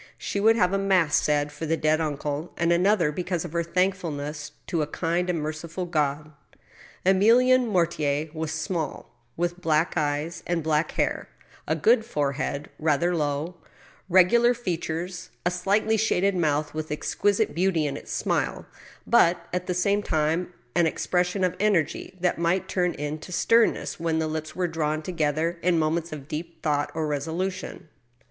... She would have a mass said for the dead uncle, and another because of her thankfulness to a kind and merciful God. ... Emilienne Mortier was small, with black eyes and black hair, a good forehead (rather low) regular features, a slightly shaded mouth with exquisite beauty in its smile, but, at the same time, an expres sion of energy, that might turn into sternness, when the lips were 72 THE STEEL HAMMER. drawn together in moments of deep thought or resolution.